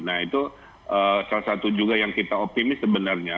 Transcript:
nah itu salah satu juga yang kita optimis sebenarnya